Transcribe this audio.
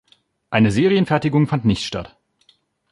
Eine Serienfertigung fand nicht statt.